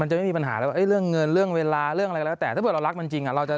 มันจะไม่มีปัญหาเรื่องเงินเรื่องเวลาเรื่องอะไรแต่ถ้าเผื่อเรารักมันจริงอะ